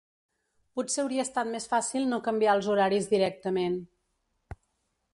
Potser hauria estat més fàcil no canviar els horaris directament.